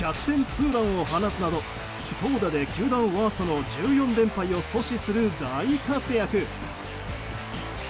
ツーランを放つなど投打で、球団ワーストの１４連敗を阻止する大活躍。